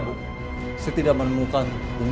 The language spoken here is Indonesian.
umiut jantung bayi pada antuman